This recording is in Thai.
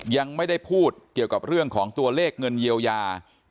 ยังไม่ได้พูดเกี่ยวกับเรื่องของตัวเลขเงินเยียวยา